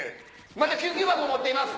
また救急箱を持っています！